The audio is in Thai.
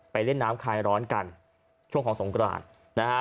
เล่นน้ำคลายร้อนกันช่วงของสงกรานนะฮะ